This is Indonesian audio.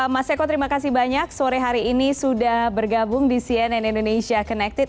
mas eko terima kasih banyak sore hari ini sudah bergabung di cnn indonesia connected